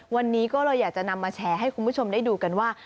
วันนี้ก็เลยอยากจะนำมาแชร์ให้คุณผู้ชมได้ดูกันว่า